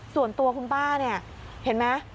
ส่วนตัวคุณป้าเนี่ยเห็นไหม